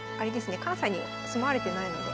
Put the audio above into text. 関西に住まわれてないので。